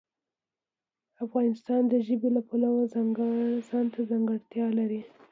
افغانستان د ژبې د پلوه ځانته ځانګړتیا لري.